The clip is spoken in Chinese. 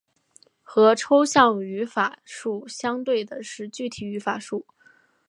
和抽象语法树相对的是具体语法树。